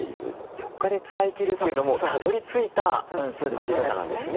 ４日で使い切るというのもたどりついた在り方なんですね。